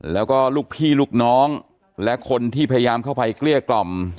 แล้วก็ลูกพี่ลูกน้องและคนที่พยายามเข้าไปเกลี้ยกล่อม